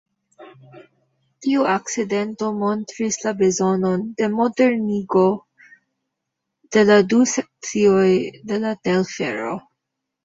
Tiu akcidento montris la bezonon de modernigo de la du sekcioj de la telfero.